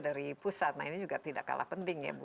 dari pusat ini juga tidak kalah penting